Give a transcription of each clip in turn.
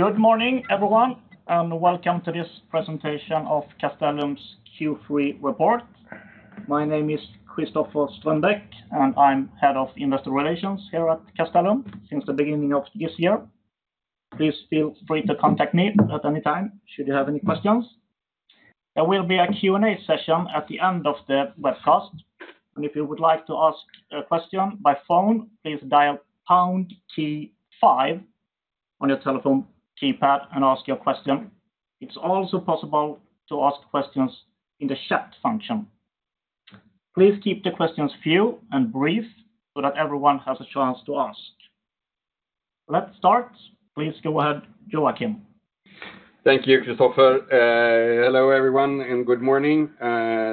Good morning, everyone, and welcome to this presentation of Castellum's Q3 report. My name is Christoffer Strömbäck, and I'm Head of Investor Relations here at Castellum since the beginning of this year. Please feel free to contact me at any time should you have any questions. There will be a Q&A session at the end of the webcast, and if you would like to ask a question by phone, please dial pound key five on your telephone keypad and ask your question. It's also possible to ask questions in the chat function. Please keep the questions few and brief so that everyone has a chance to ask. Let's start. Please go ahead, Joacim. Thank you, Christoffer. Hello, everyone, and good morning.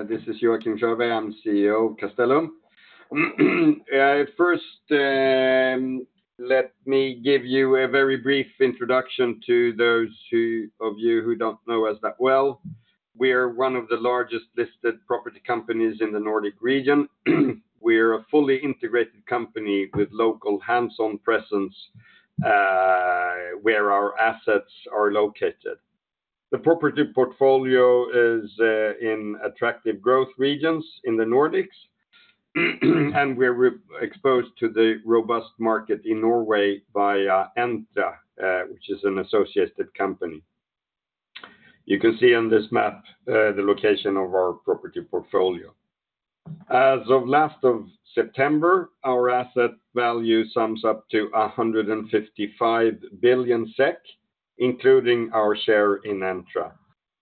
This is Joacim Sjöberg, I'm CEO of Castellum. First, let me give you a very brief introduction to those of you who don't know us that well. We are one of the largest listed property companies in the Nordic region. We're a fully integrated company with local hands-on presence, where our assets are located. The property portfolio is in attractive growth regions in the Nordics, and we're exposed to the robust market in Norway via Entra, which is an associated company. You can see on this map the location of our property portfolio. As of last September, our asset value sums up to 155 billion SEK, including our share in Entra.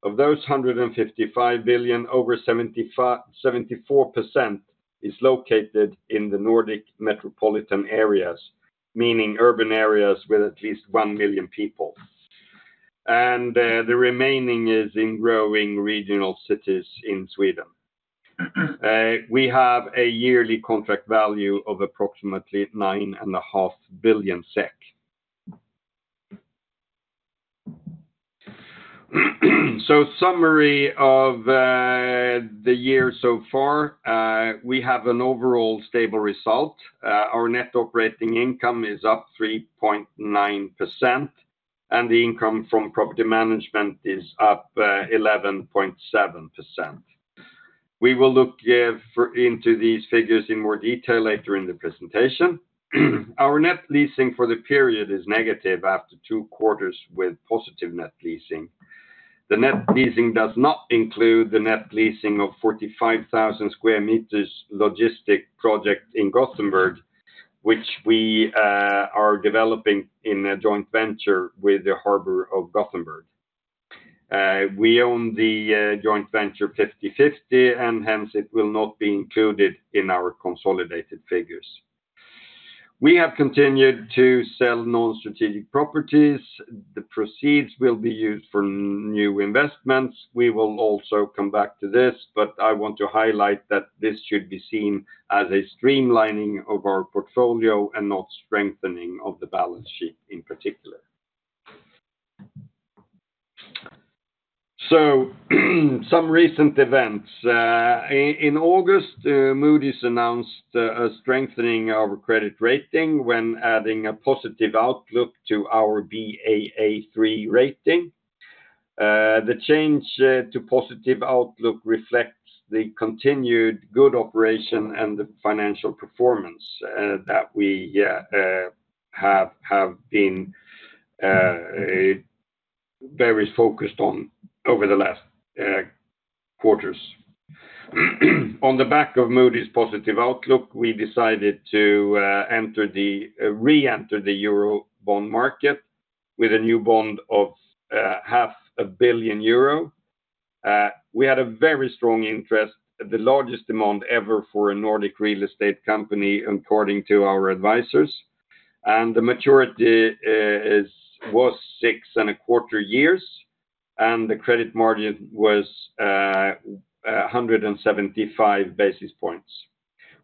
Of those 155 billion, over 74% is located in the Nordic metropolitan areas, meaning urban areas with at least one million people. The remaining is in growing regional cities in Sweden. We have a yearly contract value of approximately 9.5 billion SEK. So, summary of the year so far, we have an overall stable result. Our net operating income is up 3.9%, and the income from property management is up 11.7%. We will look into these figures in more detail later in the presentation. Our net leasing for the period is negative after two quarters with positive net leasing. The net leasing does not include the net leasing of 45,000 sq m logistics project in Gothenburg, which we are developing in a joint venture with the Port of Gothenburg. We own the joint venture fifty-fifty, and hence, it will not be included in our consolidated figures. We have continued to sell non-strategic properties. The proceeds will be used for new investments. We will also come back to this, but I want to highlight that this should be seen as a streamlining of our portfolio and not strengthening of the balance sheet in particular. Some recent events. In August, Moody's announced a strengthening of our credit rating when adding a positive outlook to our Baa3 rating. The change to positive outlook reflects the continued good operation and the financial performance that we have been very focused on over the last quarters. On the back of Moody's positive outlook, we decided to re-enter the Eurobond market with a new bond of 500 million euro. We had a very strong interest, the largest demand ever for a Nordic real estate company, according to our advisors. The maturity was 6.25 years, and the credit margin was 175 basis points.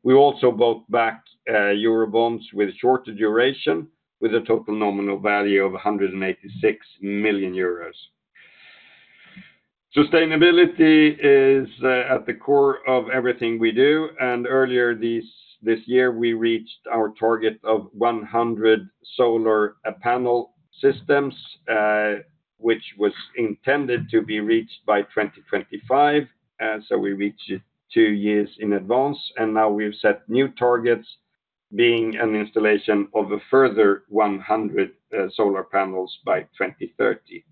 We also bought back Eurobonds with shorter duration, with a total nominal value of 186 million euros. Sustainability is at the core of everything we do, and earlier this year, we reached our target of one hundred solar panel systems, which was intended to be reached by 2025, so we reached it two years in advance, and now we've set new targets, being an installation of a further one hundred solar panels by 2030.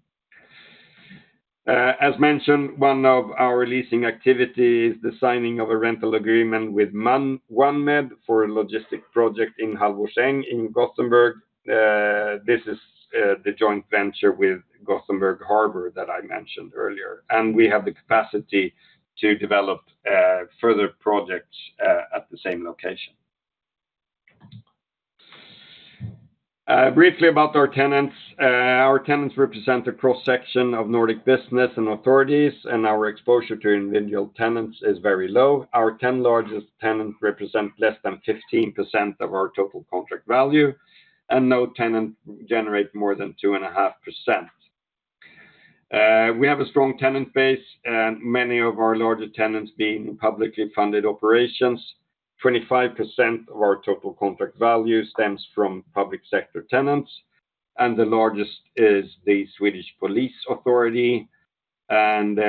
As mentioned, one of our leasing activity is the signing of a rental agreement with OneMed for a logistic project in Halvorsäng in Gothenburg. This is the joint venture with Gothenburg Harbor that I mentioned earlier, and we have the capacity to develop further projects at the same location. Briefly about our tenants. Our tenants represent a cross-section of Nordic business and authorities, and our exposure to individual tenants is very low. Our ten largest tenants represent less than 15% of our total contract value, and no tenant generates more than 2.5%. We have a strong tenant base, and many of our larger tenants being publicly funded operations. 25% of our total contract value stems from public sector tenants, and the largest is the Swedish Police Authority. And,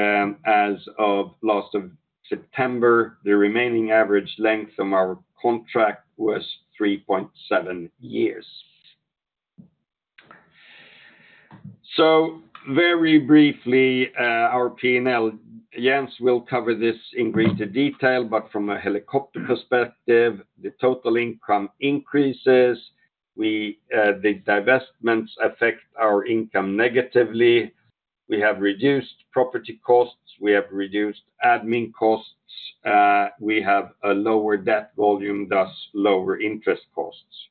as of last of September, the remaining average length of our contract was 3.7 years. So very briefly, our P&L. Jens will cover this in greater detail, but from a helicopter perspective, the total income increases. We, the divestments affect our income negatively. We have reduced property costs, we have reduced admin costs, we have a lower debt volume, thus lower interest costs.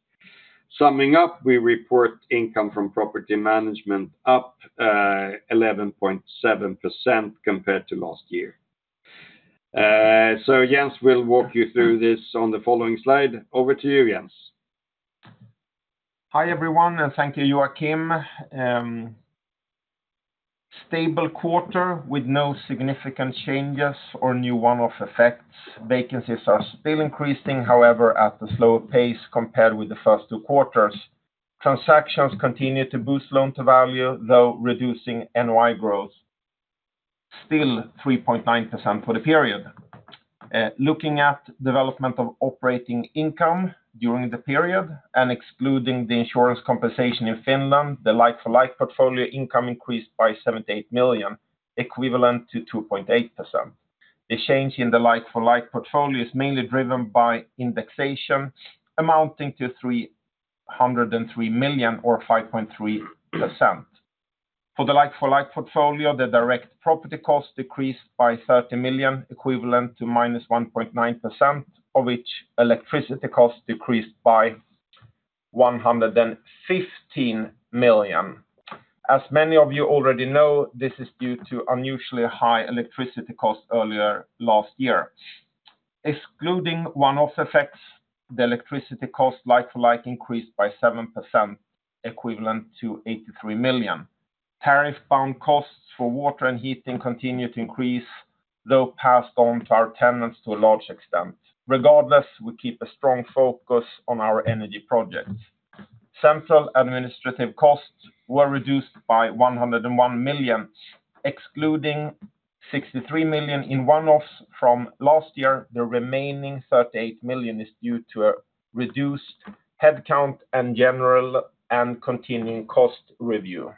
Summing up, we report income from property management up 11.7% compared to last year. So Jens will walk you through this on the following slide. Over to you, Jens. Hi, everyone, and thank you, Joacim. Stable quarter with no significant changes or new one-off effects. Vacancies are still increasing, however, at a slower pace compared with the first two quarters. Transactions continue to boost loan-to-value, though reducing NOI growth, still 3.9% for the period. Looking at development of operating income during the period and excluding the insurance compensation in Finland, the like-for-like portfolio income increased by 78 million, equivalent to 2.8%. The change in the like-for-like portfolio is mainly driven by indexation, amounting to 303 million or 5.3%. For the like-for-like portfolio, the direct property cost decreased by 30 million, equivalent to -1.9%, of which electricity cost decreased by 115 million. As many of you already know, this is due to unusually high electricity cost earlier last year. Excluding one-off effects, the electricity cost like-for-like increased by 7%, equivalent to 83 million. Tariff-bound costs for water and heating continue to increase, though passed on to our tenants to a large extent. Regardless, we keep a strong focus on our energy projects. Central administrative costs were reduced by 101 million, excluding 63 million in one-offs from last year, the remaining 38 million is due to a reduced headcount and general and continuing cost review.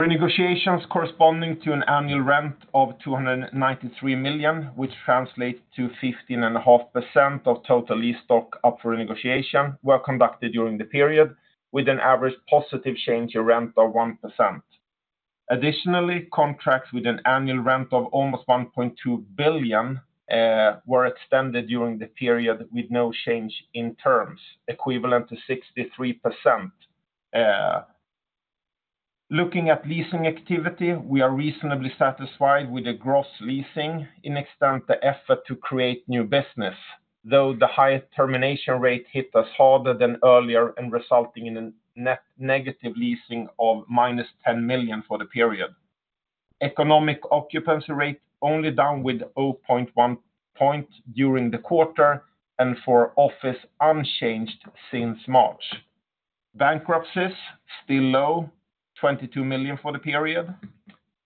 Renegotiations corresponding to an annual rent of 293 million, which translates to 15.5% of total lease stock up for negotiation, were conducted during the period, with an average positive change in rent of 1%. Additionally, contracts with an annual rent of almost 1.2 billion were extended during the period with no change in terms, equivalent to 63%. Looking at leasing activity, we are reasonably satisfied with the gross leasing in that it reflects the effort to create new business, though the high termination rate hit us harder than earlier and resulting in a net negative leasing of minus 10 million for the period. Economic occupancy rate only down with 0.1 point during the quarter and for office unchanged since March. Bankruptcies still low, 22 million for the period,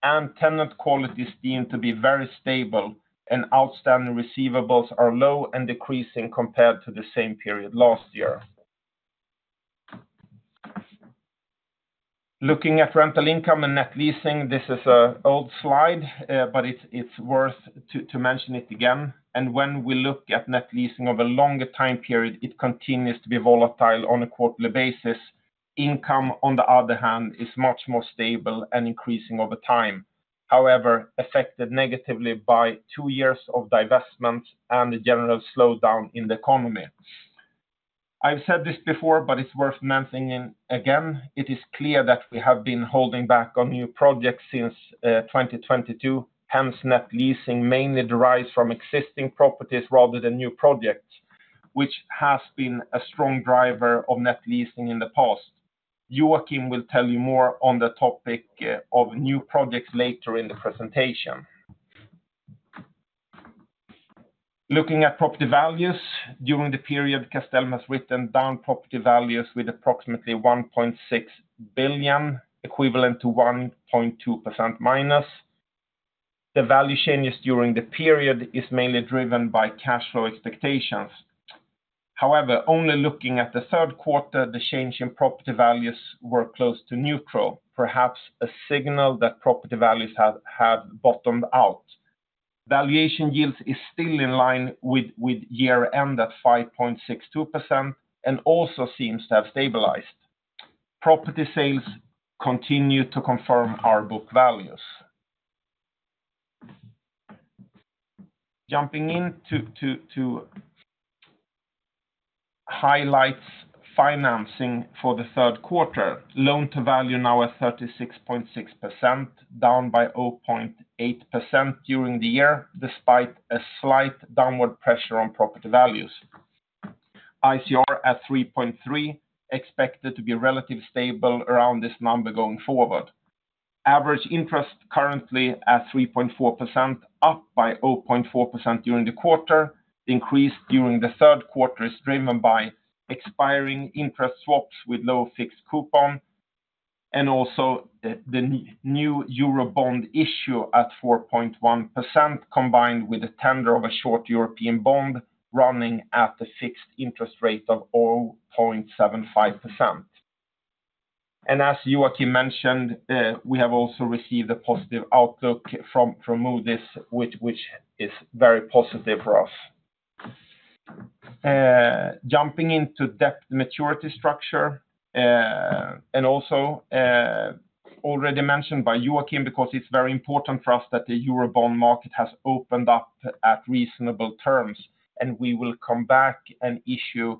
and tenant quality seem to be very stable, and outstanding receivables are low and decreasing compared to the same period last year. Looking at rental income and net leasing, this is an old slide, but it's worth to mention it again. When we look at net leasing over a longer time period, it continues to be volatile on a quarterly basis. Income, on the other hand, is much more stable and increasing over time. However, affected negatively by two years of divestment and the general slowdown in the economy. I've said this before, but it's worth mentioning again. It is clear that we have been holding back on new projects since 2022. Hence, net leasing mainly derives from existing properties rather than new projects, which has been a strong driver of net leasing in the past. Joacim will tell you more on the topic of new projects later in the presentation. Looking at property values, during the period, Castellum has written down property values with approximately 1.6 billion, equivalent to -1.2%. The value changes during the period is mainly driven by cash flow expectations. However, only looking at the third quarter, the change in property values were close to neutral, perhaps a signal that property values have bottomed out. Valuation yields is still in line with year-end at 5.62% and also seems to have stabilized. Property sales continue to confirm our book values. Jumping into highlights financing for the third quarter, loan-to-value now at 36.6%, down by 0.8% during the year, despite a slight downward pressure on property values. ICR at 3.3, expected to be relatively stable around this number going forward. Average interest currently at 3.4%, up by 0.4% during the quarter. Increase during the third quarter is driven by expiring interest swaps with low fixed coupon, and also the new Eurobond issue at 4.1%, combined with a tender of a short European bond running at the fixed interest rate of 0.75%. As Joacim mentioned, we have also received a positive outlook from Moody's, which is very positive for us. Jumping into debt maturity structure, and also already mentioned by Joacim, because it's very important for us that the Eurobond market has opened up at reasonable terms, and we will come back and issue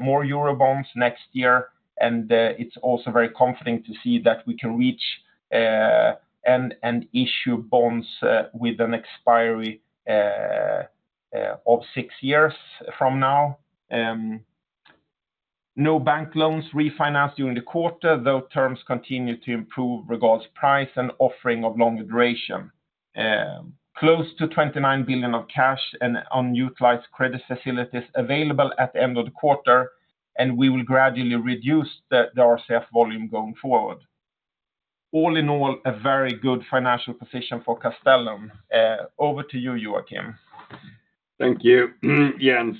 more Eurobonds next year. It's also very comforting to see that we can reach and issue bonds with an expiry of six years from now. No bank loans refinanced during the quarter, though terms continue to improve regarding price and offering of longer duration. Close to 29 billion of cash and unutilized credit facilities available at the end of the quarter, and we will gradually reduce the RCF volume going forward. All in all, a very good financial position for Castellum. Over to you, Joacim. Thank you, Jens.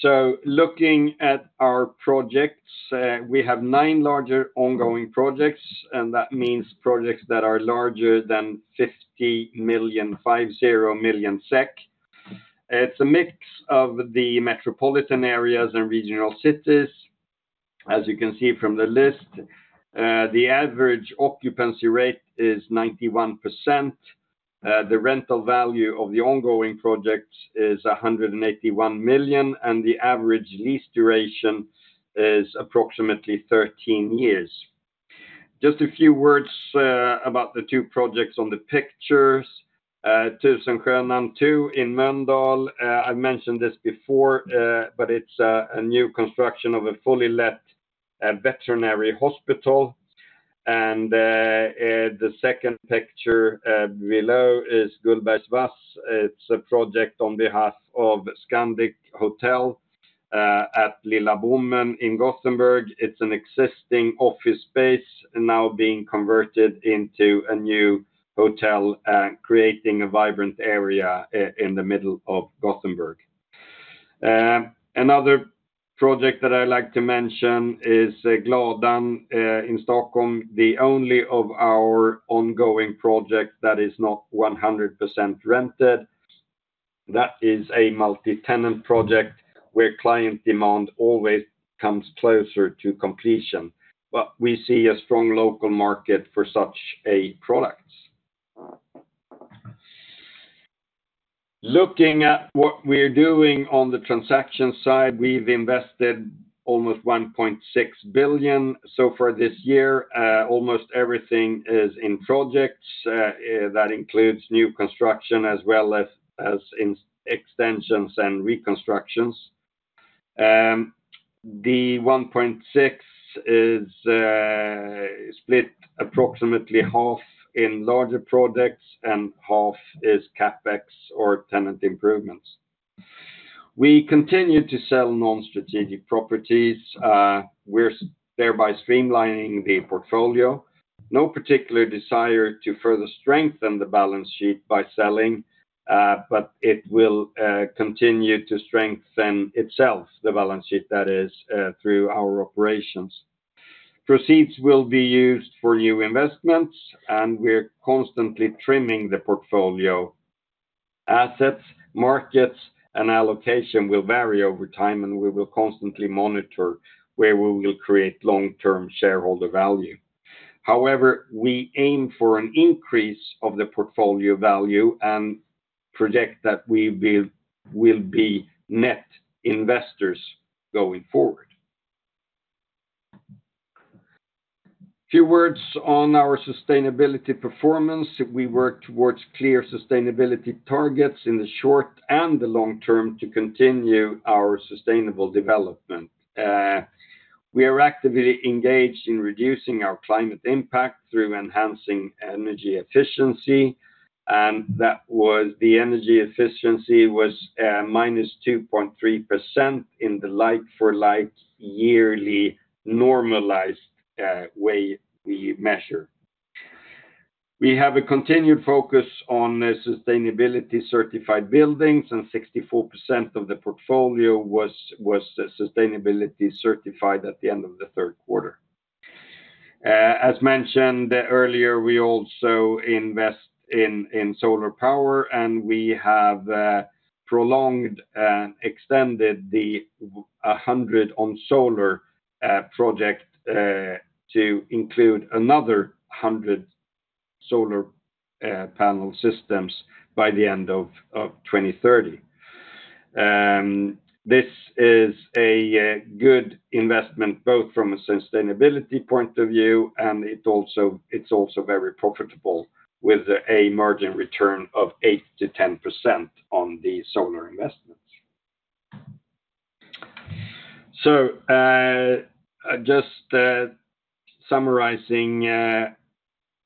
So looking at our projects, we have nine larger ongoing projects, and that means projects that are larger than 50 million. It's a mix of the metropolitan areas and regional cities. As you can see from the list, the average occupancy rate is 91%. The rental value of the ongoing projects is 181 million, and the average lease duration is approximately 13 years. Just a few words about the two projects on the pictures. Tusenskönan 2 in Mölndal. I've mentioned this before, but it's a new construction of a fully let veterinary hospital. And the second picture below is Gullbergsvass. It's a project on behalf of Scandic Hotel at Lilla Bommen in Gothenburg. It's an existing office space now being converted into a new hotel, creating a vibrant area in the middle of Gothenburg. Another project that I like to mention is Gladan in Stockholm, the only of our ongoing project that is not 100% rented. That is a multi-tenant project, where client demand always comes closer to completion, but we see a strong local market for such a product. Looking at what we're doing on the transaction side, we've invested almost 1.6 billion so far this year. Almost everything is in projects. That includes new construction, as well as in extensions and reconstructions. The one point six is split approximately half in larger projects and half is CapEx or tenant improvements. We continue to sell non-strategic properties, we're thereby streamlining the portfolio. No particular desire to further strengthen the balance sheet by selling, but it will continue to strengthen itself, the balance sheet that is, through our operations. Proceeds will be used for new investments, and we're constantly trimming the portfolio. Assets, markets, and allocation will vary over time, and we will constantly monitor where we will create long-term shareholder value. However, we aim for an increase of the portfolio value and project that we'll be net investors going forward. Few words on our sustainability performance. We work towards clear sustainability targets in the short and the long term to continue our sustainable development. We are actively engaged in reducing our climate impact through enhancing energy efficiency, and that was the energy efficiency, minus 2.3% in the like-for-like yearly normalized way we measure. We have a continued focus on sustainability certified buildings, and 64% of the portfolio was sustainability certified at the end of the third quarter. As mentioned earlier, we also invest in solar power, and we have prolonged and extended the 100 on solar project to include another 100 solar panel systems by the end of 2030. This is a good investment, both from a sustainability point of view, and it also it's also very profitable, with a margin return of 8-10% on the solar investments. Just summarizing,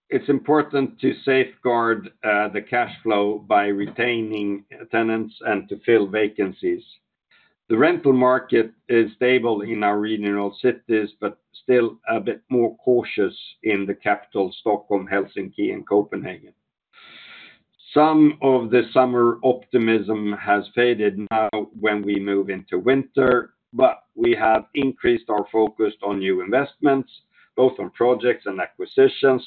it's important to safeguard the cash flow by retaining tenants and to fill vacancies. The rental market is stable in our regional cities, but still a bit more cautious in the capital, Stockholm, Helsinki, and Copenhagen. Some of the summer optimism has faded now when we move into winter, but we have increased our focus on new investments, both on projects and acquisitions,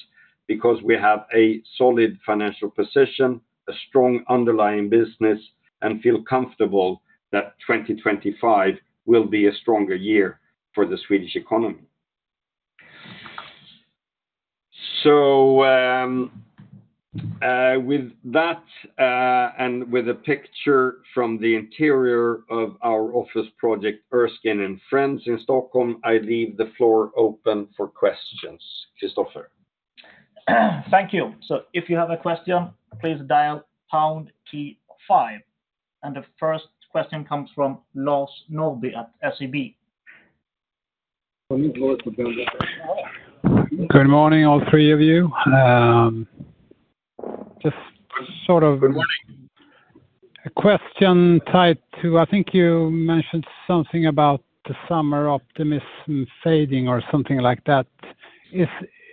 because we have a solid financial position, a strong underlying business, and feel comfortable that 2025 will be a stronger year for the Swedish economy. So, with that, and with a picture from the interior of our office project, Erskine & Friends in Stockholm, I leave the floor open for questions. Christoffer? Thank you. So if you have a question, please dial pound key five, and the first question comes from Lars Norrby at SEB. Good morning, all three of you. Just sort of- Good morning... a question tied to, I think you mentioned something about the summer optimism fading or something like that. Is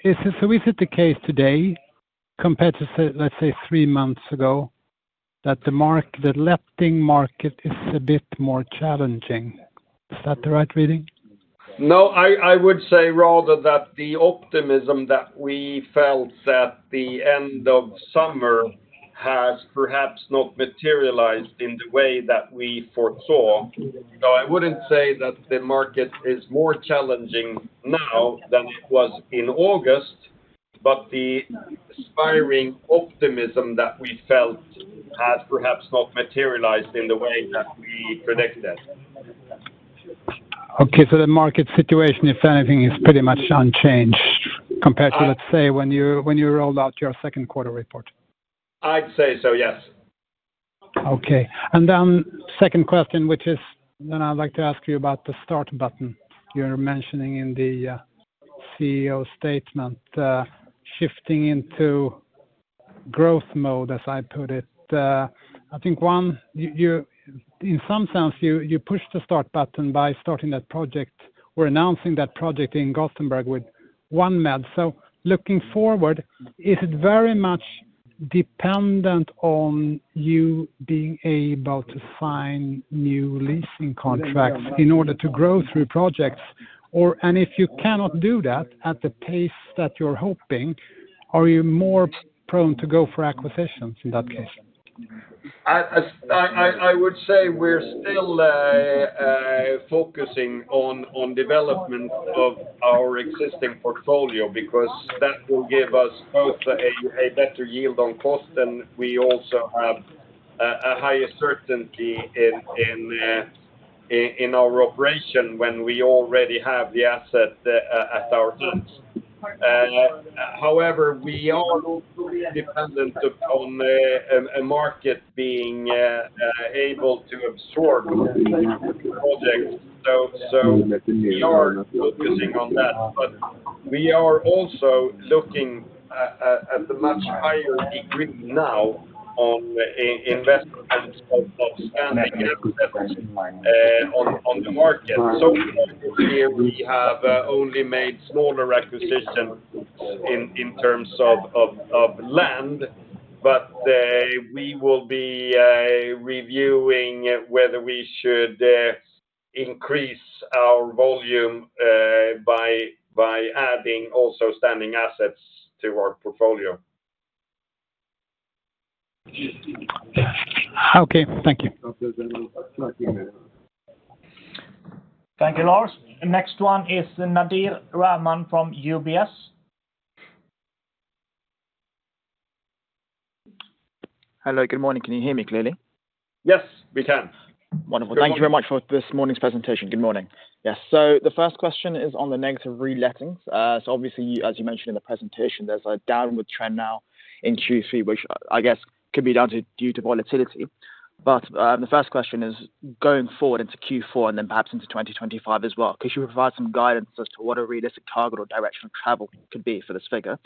it, so is it the case today, compared to say, let's say, three months ago, that the market, the letting market is a bit more challenging? Is that the right reading? No, I would say rather that the optimism that we felt at the end of summer has perhaps not materialized in the way that we foresaw. So I wouldn't say that the market is more challenging now than it was in August, but the inspiring optimism that we felt has perhaps not materialized in the way that we predicted. Okay, so the market situation, if anything, is pretty much unchanged compared to, let's say, when you, when you rolled out your second quarter report. I'd say so, yes. Okay. And then second question, which is then I'd like to ask you about the start button. You're mentioning in the CEO statement shifting into growth mode, as I put it. I think one, you in some sense pushed the start button by starting that project or announcing that project in Gothenburg with OneMed. So looking forward, is it very much dependent on you being able to sign new leasing contracts in order to grow through projects? Or, and if you cannot do that at the pace that you're hoping, are you more prone to go for acquisitions in that case? I would say we're still focusing on development of our existing portfolio, because that will give us both a better yield on cost, and we also have a higher certainty in our operation when we already have the asset at our hands. However, we are dependent on a market being able to absorb projects. So we are focusing on that, but we are also looking at a much higher degree now on investments of standing on the market. So we have only made smaller acquisitions in terms of land, but we will be reviewing whether we should increase our volume by adding also standing assets to our portfolio. Okay, thank you. Thank you, Lars. The next one is Nadhir Kheriji from UBS. Hello, good morning. Can you hear me clearly? Yes, we can. Wonderful. Good morning. Thank you very much for this morning's presentation. Good morning. Yes, so the first question is on the negative relettings. So obviously, as you mentioned in the presentation, there's a downward trend now in Q3, which I guess could be due to volatility. But the first question is, going forward into Q4 and then perhaps into 2025 as well, could you provide some guidance as to what a realistic target or direction of travel could be for this figure?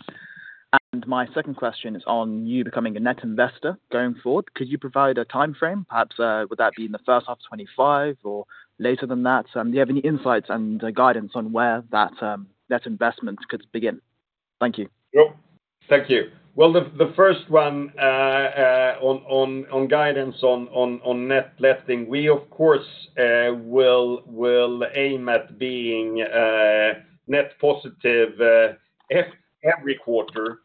And my second question is on you becoming a net investor going forward. Could you provide a timeframe? Perhaps would that be in the first half of 2025 or later than that? Do you have any insights and guidance on where that net investment could begin? Thank you. Yep. Thank you. Well, the first one on guidance on net leasing, we of course will aim at being net positive in every quarter.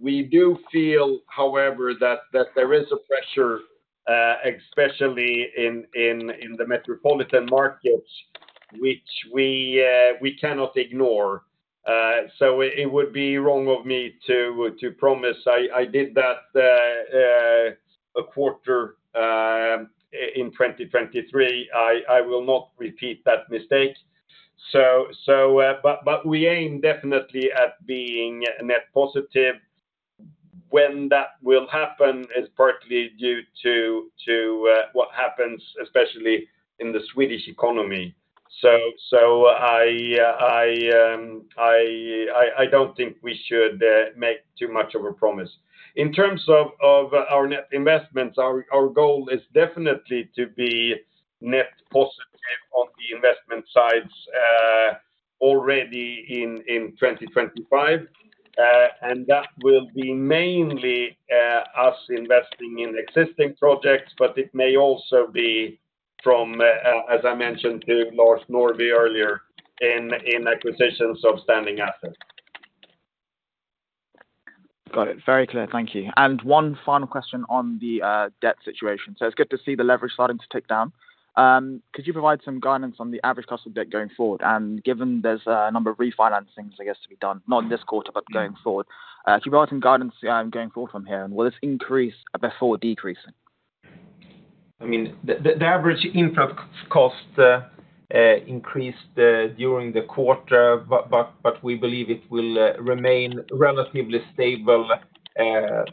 We do feel, however, that there is a pressure, especially in the metropolitan markets-... which we cannot ignore. So it would be wrong of me to promise I did that a quarter in 2023. I will not repeat that mistake. So but we aim definitely at being net positive. When that will happen is partly due to what happens, especially in the Swedish economy. So I don't think we should make too much of a promise. In terms of our net investments, our goal is definitely to be net positive on the investment sides already in 2025. And that will be mainly us investing in existing projects, but it may also be from as I mentioned to Lars Norrby earlier, in acquisitions of standing assets. Got it. Very clear, thank you. And one final question on the debt situation. So it's good to see the leverage starting to tick down. Could you provide some guidance on the average cost of debt going forward? And given there's a number of refinancings, I guess, to be done, not in this quarter, but going forward, could you provide some guidance going forward from here? And will this increase before decreasing? I mean, the average interest cost increased during the quarter, but we believe it will remain relatively stable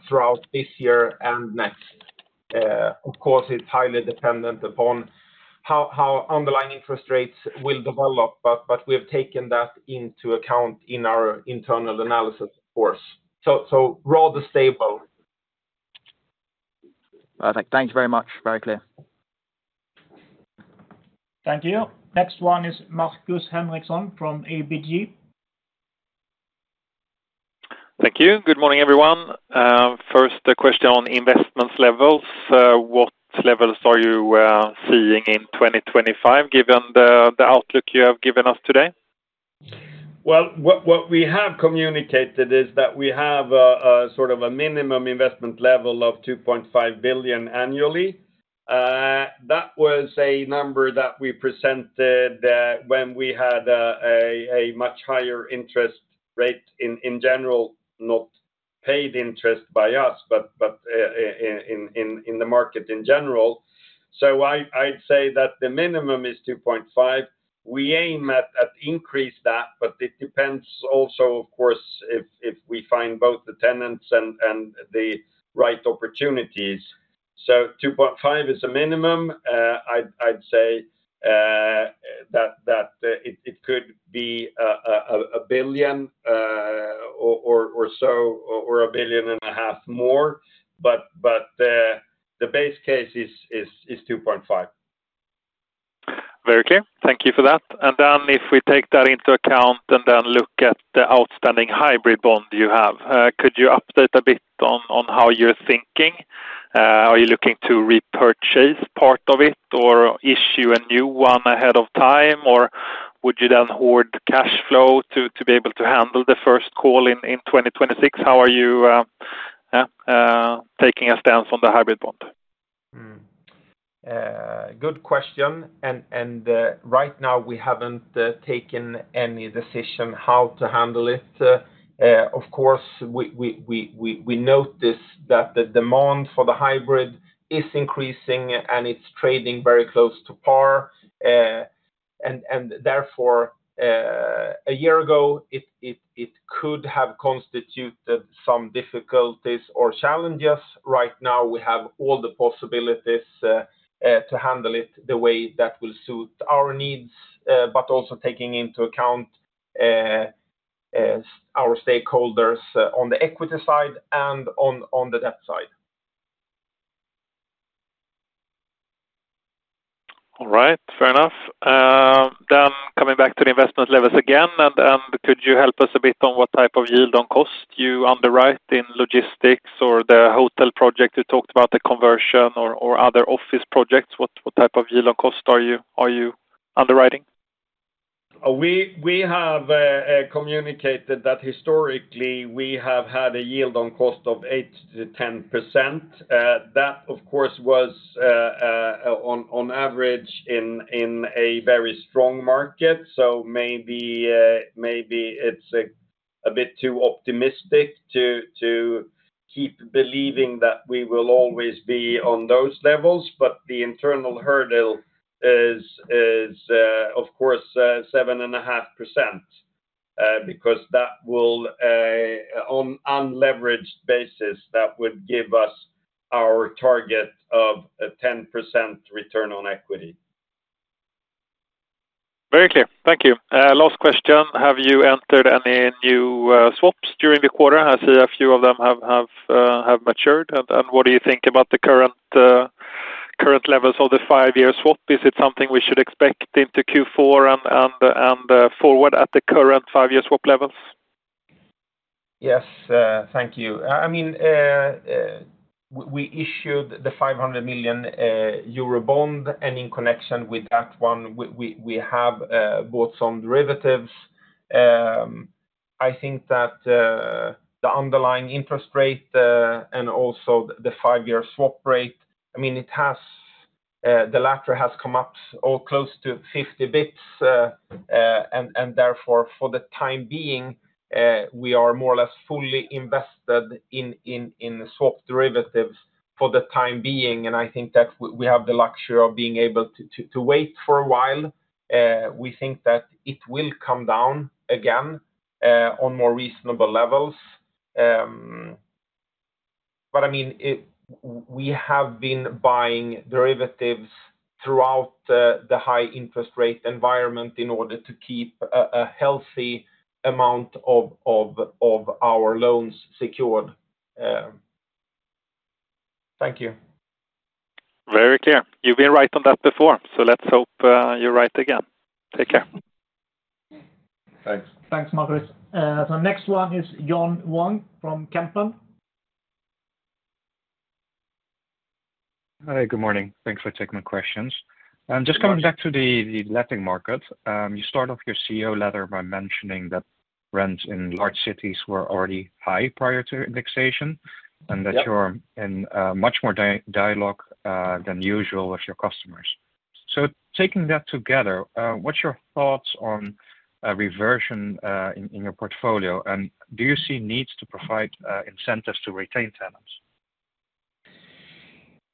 throughout this year and next. Of course, it's highly dependent upon how underlying interest cost will develop, but we have taken that into account in our internal analysis, of course, so rather stable. Perfect. Thank you very much. Very clear. Thank you. Next one is Markus Henriksson from ABG. Thank you. Good morning, everyone. First, a question on investments levels. What levels are you seeing in 2025, given the outlook you have given us today? Well, what we have communicated is that we have a sort of a minimum investment level of 2.5 billion annually. That was a number that we presented when we had a much higher interest rate in general, not paid interest by us, but in the market in general. So I'd say that the minimum is 2.5. We aim at increase that, but it depends also, of course, if we find both the tenants and the right opportunities. So 2.5 is a minimum. I'd say that it could be a billion or so, or a billion and a half more, but the base case is 2.5. Very clear. Thank you for that. And then if we take that into account and then look at the outstanding hybrid bond you have, could you update a bit on how you're thinking? Are you looking to repurchase part of it or issue a new one ahead of time? Or would you then hoard the cash flow to be able to handle the first call in 2026? How are you taking a stance on the hybrid bond? Good question, and right now we haven't taken any decision how to handle it. Of course, we note this, that the demand for the hybrid is increasing and it's trading very close to par. And therefore, a year ago, it could have constituted some difficulties or challenges. Right now, we have all the possibilities to handle it the way that will suit our needs, but also taking into account our stakeholders on the equity side and on the debt side. All right. Fair enough, then coming back to the investment levels again, and could you help us a bit on what type of yield on cost you underwrite in logistics or the hotel project? You talked about the conversion or other office projects. What type of yield on cost are you underwriting? We have communicated that historically we have had a yield on cost of 8%-10%. That, of course, was on average in a very strong market. So maybe it's a bit too optimistic to keep believing that we will always be on those levels, but the internal hurdle is, of course, 7.5%, because that will, on unleveraged basis, that would give us our target of a 10% return on equity. Very clear. Thank you. Last question: Have you entered any new swaps during the quarter? I see a few of them have matured. And what do you think about the current levels of the five-year swap? Is it something we should expect into Q4 and forward at the current five-year swap levels? Yes, thank you. I mean, we issued the 500 million Eurobond, and in connection with that one, we have bought some derivatives. I think that the underlying interest rate and also the five-year swap rate, I mean, it has, the latter has come up or close to 50 basis points, and therefore, for the time being, we are more or less fully invested in swap derivatives for the time being. And I think that we have the luxury of being able to wait for a while. We think that it will come down again on more reasonable levels. But I mean, we have been buying derivatives throughout the high interest rate environment in order to keep a healthy amount of our loans secured. Thank you. Very clear. You've been right on that before, so let's hope you're right again. Take care. Thanks. Thanks, Markus. The next one is Jan Ihrfelt from Kepler Cheuvreux. Hi, good morning. Thanks for taking my questions. Just coming back to the letting market, you start off your CEO letter by mentioning that rents in large cities were already high prior to indexation- Yeah -and that you're in much more dialogue than usual with your customers. So taking that together, what's your thoughts on reversion in your portfolio? And do you see needs to provide incentives to retain tenants?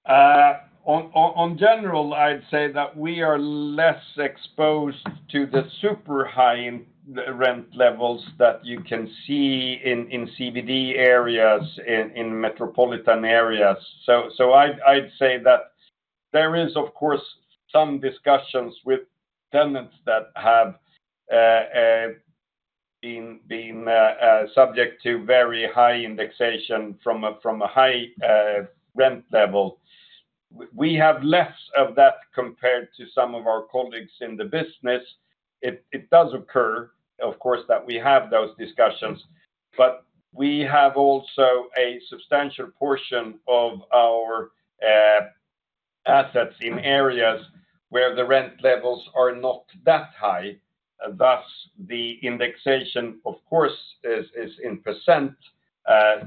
In general, I'd say that we are less exposed to the super high rent levels that you can see in CBD areas in metropolitan areas. I'd say that there is, of course, some discussions with tenants that have been subject to very high indexation from a high rent level. We have less of that compared to some of our colleagues in the business. It does occur, of course, that we have those discussions, but we have also a substantial portion of our assets in areas where the rent levels are not that high. Thus, the indexation, of course, is in percent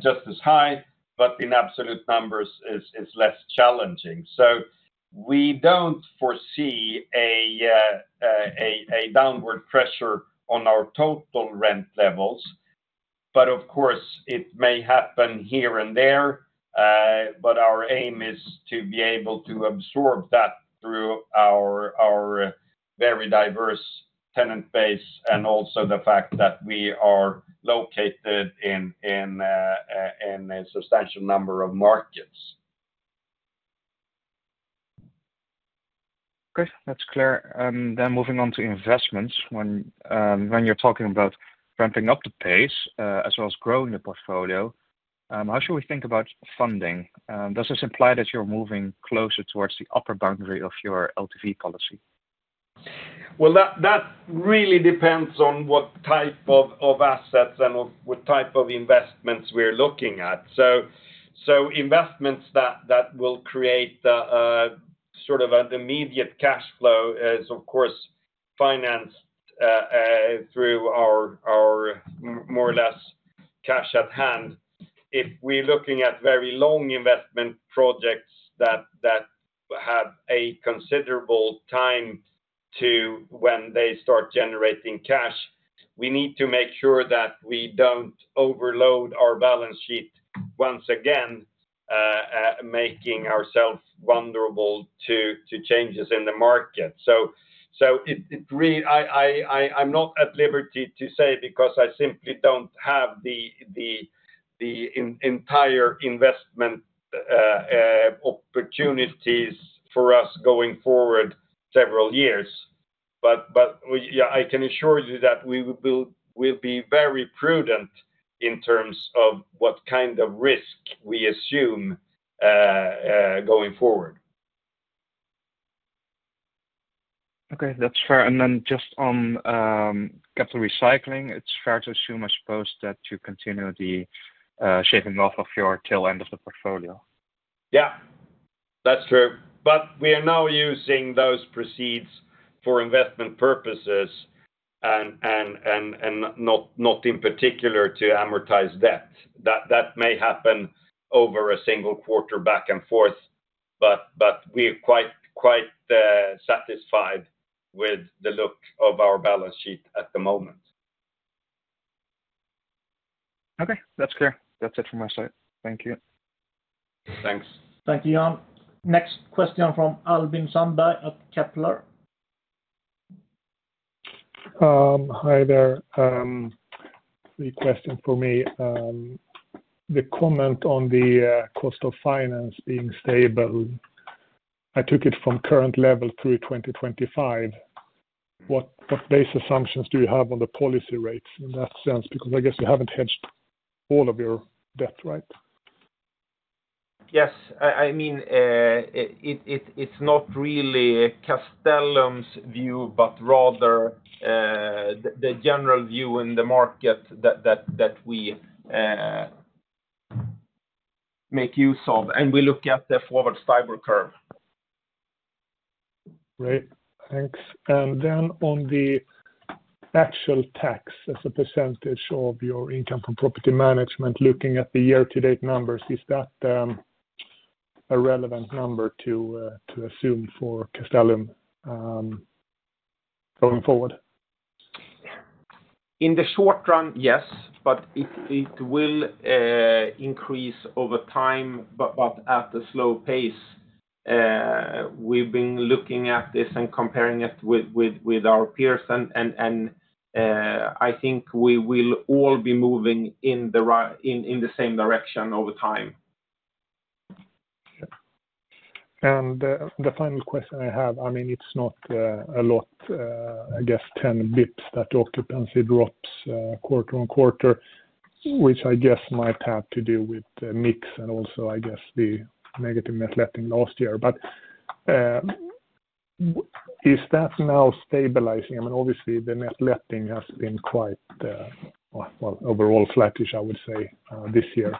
just as high, but in absolute numbers is less challenging. So we don't foresee a downward pressure on our total rent levels, but of course, it may happen here and there. But our aim is to be able to absorb that through our very diverse tenant base, and also the fact that we are located in a substantial number of markets. Okay, that's clear. Then moving on to investments. When you're talking about ramping up the pace, as well as growing the portfolio, how should we think about funding? Does this imply that you're moving closer towards the upper boundary of your LTV policy? Well, that really depends on what type of assets and what type of investments we're looking at. So, investments that will create sort of an immediate cashflow is, of course, financed through our more or less cash at hand. If we're looking at very long investment projects that have a considerable time to when they start generating cash, we need to make sure that we don't overload our balance sheet once again, making ourselves vulnerable to changes in the market. So, it really, I, I'm not at liberty to say because I simply don't have the entire investment opportunities for us going forward several years. But, yeah, I can assure you that we will be very prudent in terms of what kind of risk we assume, going forward. Okay, that's fair. And then just on capital recycling, it's fair to assume, I suppose, that you continue the shaping off of your tail end of the portfolio? Yeah, that's true. But we are now using those proceeds for investment purposes and not in particular to amortize debt. That may happen over a single quarter back and forth, but we're quite satisfied with the look of our balance sheet at the moment. Okay, that's clear. That's it from my side. Thank you. Thanks. Thank you, Jan. Next question from Albin Sandberg at Kepler. Hi there. Three questions for me. The comment on the cost of finance being stable, I took it from current level through 2025. What base assumptions do you have on the policy rates in that sense? Because I guess you haven't hedged all of your debt, right? Yes. I mean, it's not really Castellum's view, but rather, the general view in the market that we make use of, and we look at the forward yield curve.... Great, thanks. And then on the actual tax as a percentage of your income from property management, looking at the year-to-date numbers, is that a relevant number to assume for Castellum going forward? In the short run, yes, but it will increase over time, but at a slow pace. We've been looking at this and comparing it with our peers, and I think we will all be moving in the right direction over time. Okay. And, the final question I have, I mean, it's not a lot, I guess, 10 basis points that occupancy drops quarter on quarter, which I guess might have to do with the mix, and also, I guess, the negative net leasing last year. But, is that now stabilizing? I mean, obviously, the net leasing has been quite, well, overall flattish, I would say, this year.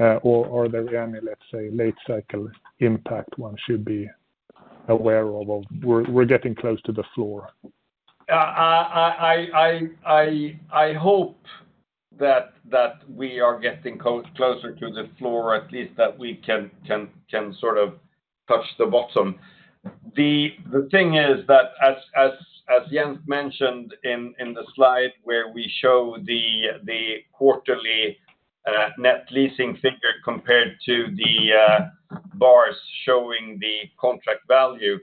Or, are there any, let's say, late cycle impact one should be aware of, if we're getting close to the floor? I hope that we are getting closer to the floor, at least that we can sort of touch the bottom. The thing is that as Jens mentioned in the slide where we show the quarterly net leasing figure compared to the bars showing the contract value,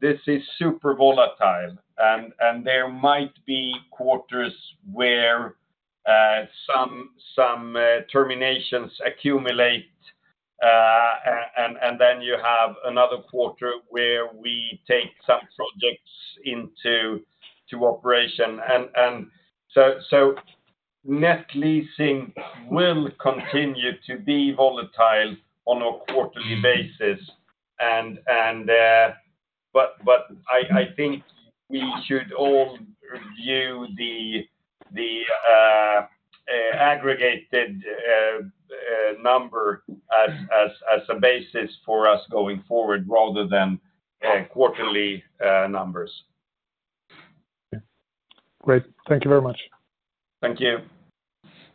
this is super volatile. And there might be quarters where some terminations accumulate, and then you have another quarter where we take some projects into operation. And so net leasing will continue to be volatile on a quarterly basis. And but I think we should all view the aggregated number as a basis for us going forward rather than quarterly numbers. Great. Thank you very much. Thank you.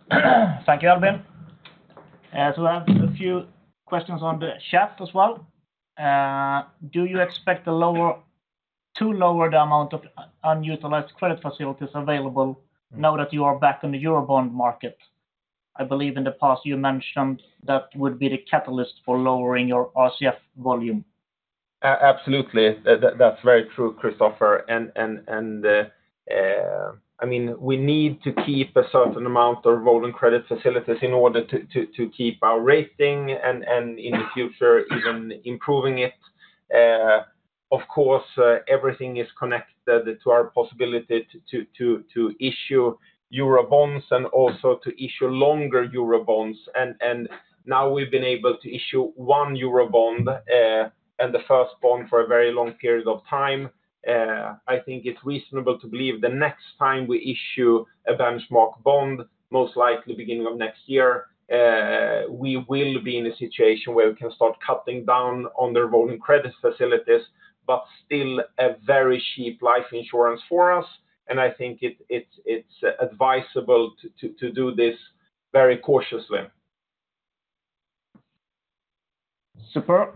Thank you, Albin. So I have a few questions on the chat as well. Do you expect to lower the amount of unutilized credit facilities available now that you are back in the Euro bond market? I believe in the past you mentioned that would be the catalyst for lowering your RCF volume. Absolutely. That's very true, Christoffer. And I mean, we need to keep a certain amount of rolling credit facilities in order to keep our rating, and in the future, even improving it. Of course, everything is connected to our possibility to issue Eurobonds and also to issue longer Eurobonds. And now we've been able to issue one Eurobond, and the first bond for a very long period of time. I think it's reasonable to believe the next time we issue a benchmark bond, most likely beginning of next year, we will be in a situation where we can start cutting down on the rolling credit facilities, but still a very cheap life insurance for us, and I think it's advisable to do this very cautiously. Super.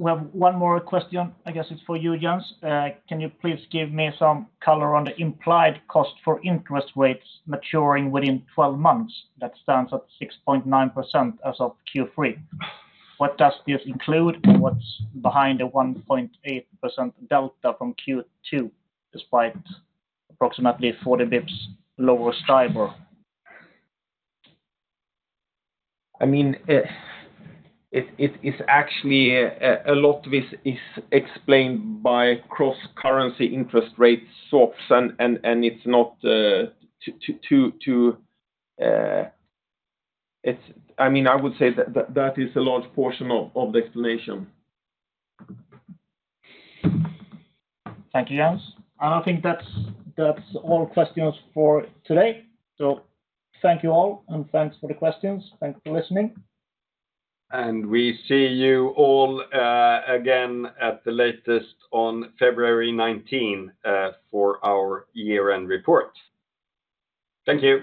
We have one more question. I guess it's for you, Jens. Can you please give me some color on the implied cost for interest rates maturing within twelve months? That stands at 6.9% as of Q3. What does this include? What's behind the 1.8% delta from Q2, despite approximately forty basis points lower STIBOR? I mean, it's actually a lot of this is explained by cross-currency interest rate swaps. It's, I mean, I would say that that is a large portion of the explanation. Thank you, Jens. And I think that's, that's all questions for today. So thank you all, and thanks for the questions. Thank you for listening. We see you all again, at the latest on February nineteen, for our year-end report. Thank you.